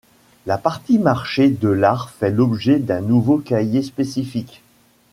La partie marché de l’art fait l’objet d’un nouveau cahier spécifique.